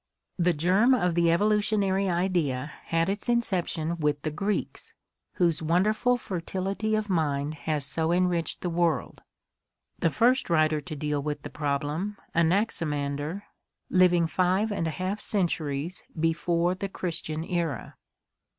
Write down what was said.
The germ of the evolutionary idea had its inception with the Greeks, whose wonderful fertility of mind has so enriched the world, the first writer to deal with the problem, Anaximander, living five and a half centuries before the Christian era.